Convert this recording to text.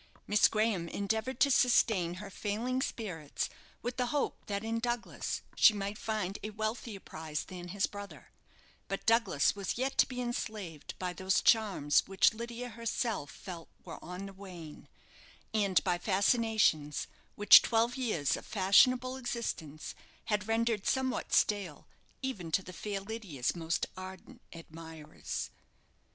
Miss Graham endeavoured to sustain her failing spirits with the hope that in Douglas she might find a wealthier prize than his brother; but Douglas was yet to be enslaved by those charms which Lydia herself felt were on the wane, and by fascinations which twelve years of fashionable existence had rendered somewhat stale even to the fair Lydia's most ardent admirers.